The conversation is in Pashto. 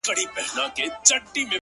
• پرون دي بيا راته غمونه راكړل؛